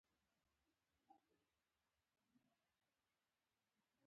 غوماشې ناپاکي له یوه ځایه بل ته انتقالوي.